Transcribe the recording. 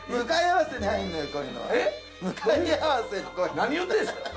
何言ってんすか？